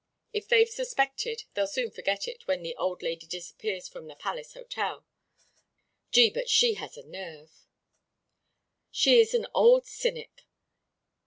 If they've suspected they'll soon forget it when the old lady disappears from the Palace Hotel. Gee, but she has a nerve." "She is an old cynic.